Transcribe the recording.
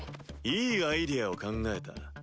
いいアイデアを考えた。